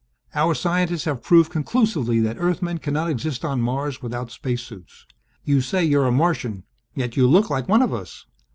"Our scientists have proved conclusively that Earthmen cannot exist on Mars without space suits. You say you're a Martian. Yet you look like one of us.